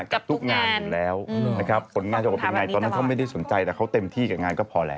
กับทุกงานอยู่แล้วนะครับตอนนั้นเขาไม่ได้สนใจแต่เขาเต็มที่กับงานก็พอแล้ว